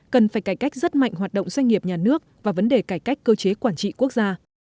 cần phải cải cách rất mạnh hoạt động doanh nghiệp nhà nước và vấn đề cải cách cơ chế quản trị quốc gia